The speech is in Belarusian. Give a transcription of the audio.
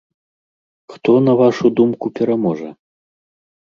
Хто, на вашу думку, пераможа?